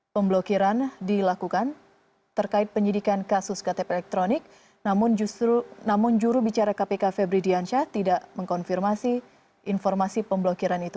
pemblokiran dilakukan terkait penyidikan kasus ktp elektronik namun juru bicara kpk febri diansyah tidak mengkonfirmasi informasi pemblokiran itu